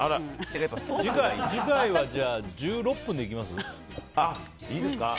次回は１６分でいきます？